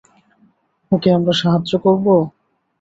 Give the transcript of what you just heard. ওকে আমরা সাহায্য করবো?